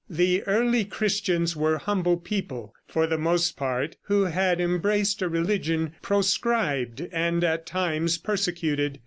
The early Christians were humble people, for the most part, who had embraced a religion proscribed and at times persecuted.